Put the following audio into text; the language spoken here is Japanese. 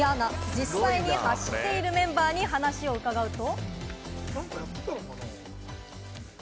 実際に走っているメンバーに話を伺うと。